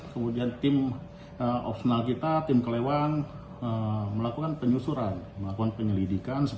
kemudian tim opsional kita tim kelewan melakukan penyusuran melakukan penyelidikan